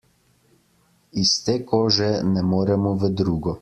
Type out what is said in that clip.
Iz te kože ne moremo v drugo.